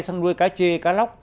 sang nuôi cá chê cá lóc